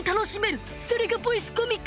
それがボイスコミック！